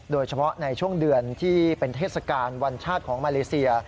โดยเฉพาะในช่วงเดือนที่เป็นเทศกาลวันชาติของมาเลเซีย